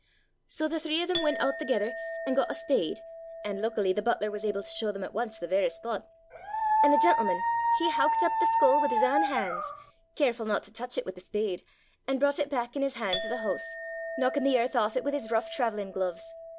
"So the three of them went oot thegither, an' got a spade; an' luckily the butler was able to show them at once the varra spot. An' the gentleman he howkit up the skull wi' his ain han's, carefu' not to touch it with the spade, an' broucht it back in his han' to the hoose, knockin' the earth aff it wi' his rouch traivellin' gluves.